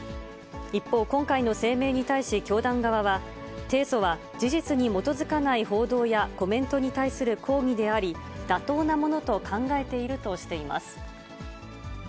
一方、今回の声明に対し、教団側は、提訴は事実に基づかない報道や、コメントに対する抗議であり、妥当なものと考えているとしています。